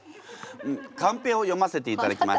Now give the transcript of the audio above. カンペを読ませていただきます。